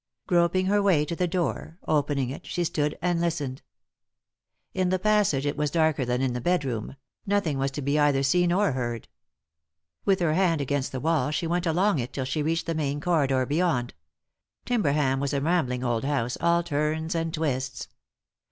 Groping her way to the door, opening it, she stood and listened. In the passage it was darker than in the bed room ; nothing was to be either seen or heard. With her hand against the wall she went along it till she reached the main corridor beyond — Timberham was a rambling old house, all turns and twists.